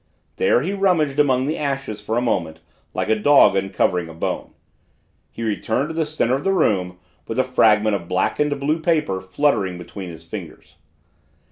There he rummaged among the ashes for a moment, like a dog uncovering a bone. He returned to the center of the room with a fragment of blackened blue paper fluttering between his fingers.